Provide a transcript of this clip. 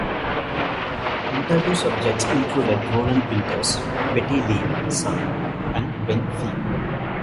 Interview subjects included Roland Winters, Betty Lee Sung, and Ben Fee.